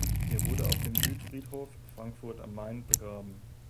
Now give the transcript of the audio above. Er wurde auf dem Südfriedhof (Frankfurt am Main) begraben.